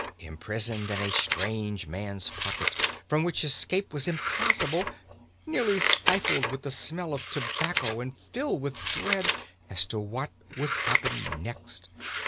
Imprisoned in a strange man's pocket, from which escape was impossible, nearly stifled with the smell of tobacco, and filled with dread as to what would happen next.